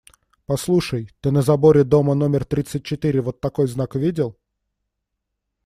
Послушай: ты на заборе дома номер тридцать четыре вот такой знак видел?